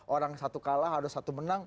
orang satu kalah ada satu menang